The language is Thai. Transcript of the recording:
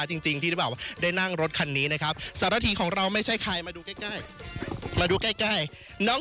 วินติเตอร์ถอยมาเลยใช่ไหม